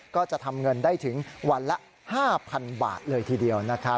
ก็จะทำเงินได้ถึงวันละ๕๐๐๐บาทเลยทีเดียวนะครับ